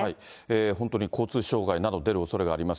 本当に交通障害など出るおそれがあります。